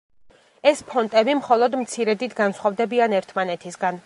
ეს ფონტები მხოლოდ მცირედით განსხვავდებიან ერთმანეთისგან.